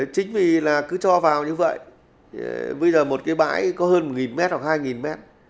chính vì là cứ cho vào như vậy bây giờ một cái bãi có hơn một mét hoặc hai mét